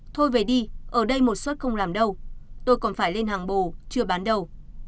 thôi về đi ở đây một suất không làm đâu tôi còn phải lên hàng bồ chưa bán đầu